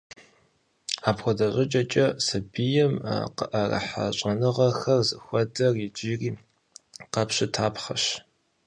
Апхуэдэ щӀыкӀэкӀэ сабийм къыӀэрыхьа щӀэныгъэхэр зыхуэдэр иджыри къэпщытапхъэщ.